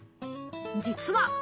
実は。